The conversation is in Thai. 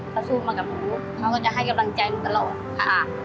ถ้าสู้มากับหนูเขาก็จะให้กำลังใจหนูตลอดค่ะ